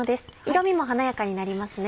色みも華やかになりますね。